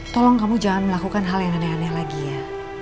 tolong kamu jangan melakukan hal yang aneh aneh lagi ya